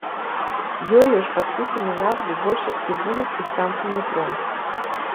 Ёю ж падпісаны назвы большасці вуліц і станцый метро.